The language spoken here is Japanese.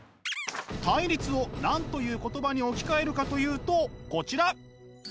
「対立」を何という言葉に置き換えるかというとこちら！